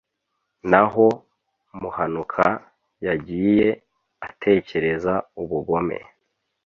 naho muhanuka yagiye atekereza ubugome